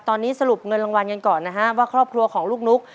ตอนนี้สรุปเงินรางวัลกันก่อนนะฮะว่าครอบครัวของลูกนุ๊ก